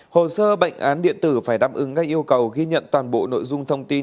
hồ sơ bệnh án điện tử phải đáp ứng ngay yêu cầu ghi nhận toàn bộ nội dung thông tin